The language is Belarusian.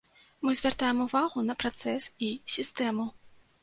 Мы звяртаем увагу на працэс і сістэму.